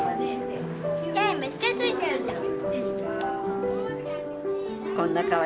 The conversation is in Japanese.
手めっちゃついてるじゃん。